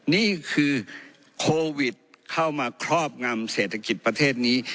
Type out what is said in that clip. นี่คือโควิดเข้ามาครอบงำเศรษฐกิจประเทศนี้